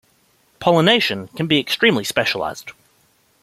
Pollination can be extremely specialised.